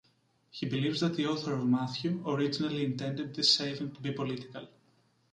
He believes that the author of Matthew originally intended this saving to be political.